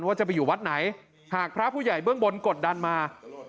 ว่าจะไปอยู่วัดไหนหากพระผู้ใหญ่เบื้องบนกดดันมา